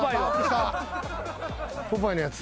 ポパイのやつ。